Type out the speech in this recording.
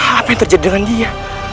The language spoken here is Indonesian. apa yang terjadi dengan dia